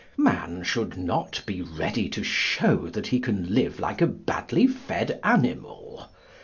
Man should not be ready to show that he can live like a badly fed animal.